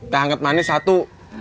dahang ket manis satu